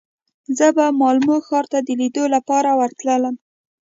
زه به مالمو ښار ته د لیدو لپاره ورتلم.